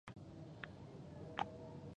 پښتانه غټي کورنۍ لري.